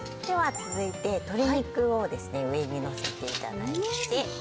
では続いて鶏肉をですね上にのせて頂いて。